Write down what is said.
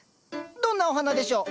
どんなお花でしょう？